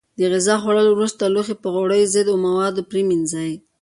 د غذا خوړلو وروسته لوښي په غوړیو ضد موادو پرېمنځئ.